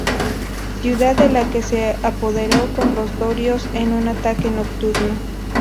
Ciudad de la que se apoderó con los dorios en un ataque nocturno.